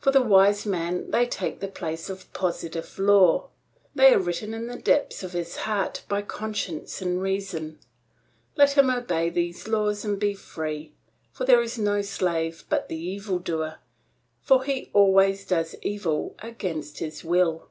For the wise man they take the place of positive law; they are written in the depths of his heart by conscience and reason; let him obey these laws and be free; for there is no slave but the evil doer, for he always does evil against his will.